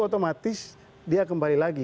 otomatis dia kembali lagi